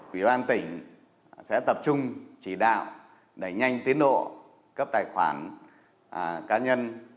quỹ ban tỉnh sẽ tập trung chỉ đạo đẩy nhanh tiến độ cấp tài khoản cá nhân